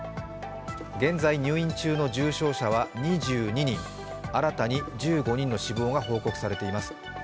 現在、入院中の重症者は２２人、新たに１５人の死亡が報告されています。